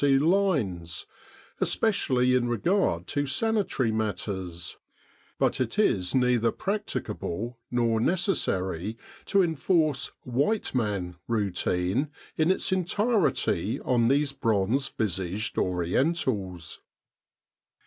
C. lines, especially in regard to sanitary mat ters; but it is neither practicable nor necessary to enforce " white man " routine in its entirety on these bronze visaged Orientals.